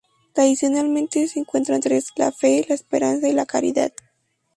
Tradicionalmente se cuentan tres: la fe, la esperanza y la caridad.